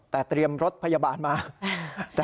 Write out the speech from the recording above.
แต่เตรียมรถพยาบาลมา